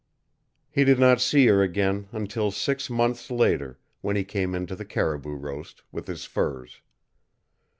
He did not see her again until six months later, when he came in to the caribou roast, with his furs.